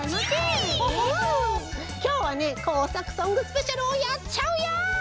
きょうはねこうさくソングスペシャルをやっちゃうよ！